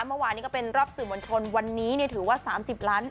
เมื่อวานนี้ก็เป็นรอบสื่อมวลชนวันนี้ถือว่า๓๐ล้าน